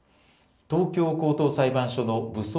東京高等裁判所の部総括